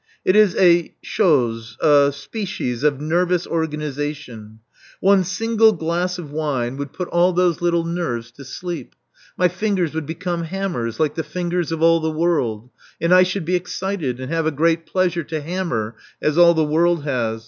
It is a — chose — a species of nervous organization. One single glass of wine would put all 402 Love Among the Artists those little nerves to sleep. My fingers would become hammers, like the fingers of all the world; and I should be excited, and have a great pleasure to hammer, as all the world has.